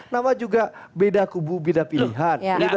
nama juga beda kubu beda pilihan